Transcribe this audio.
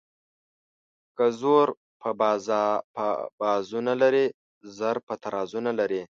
ـ که زور په بازو نه لري زر په ترازو نه لري.